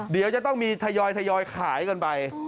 เดี๋ยวจะต้องมีทยอยขายกันไป